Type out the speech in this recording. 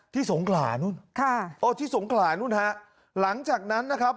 ที่สงขรานู้นที่สงขรานู้นฮะหลังจากนั้นนะครับ